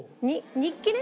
日記ね。